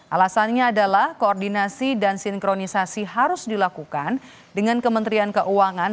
alasannya adalah koordinasi dan sinkronisasi harus dilakukan dengan kementerian keuangan